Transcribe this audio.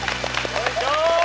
よいしょ。